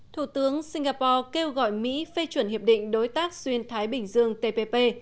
thủ tướng singapore kêu gọi mỹ phê chuẩn hiệp định đối tác xuyên thái bình dương tpp